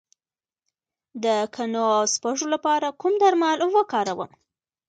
د کنو او سپږو لپاره کوم درمل وکاروم؟